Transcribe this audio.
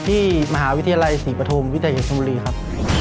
ที่มหาวิทยาลัยศรีปฐุมวิทยาเอกชมบุรีครับ